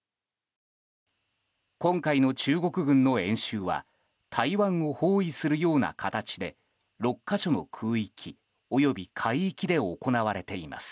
今回の中国軍の演習は台湾を包囲するような形で６か所の空域及び海域で行われています。